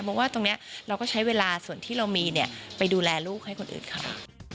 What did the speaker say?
เพราะว่าตรงนี้เราก็ใช้เวลาส่วนที่เรามีไปดูแลลูกให้คนอื่นเขา